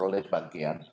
negara memproyek bagian